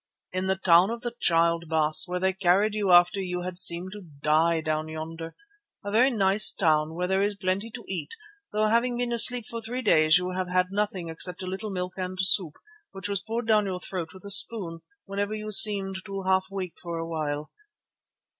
"In the Town of the Child, Baas, where they carried you after you had seemed to die down yonder. A very nice town, where there is plenty to eat, though, having been asleep for three days, you have had nothing except a little milk and soup, which was poured down your throat with a spoon whenever you seemed to half wake up for a while."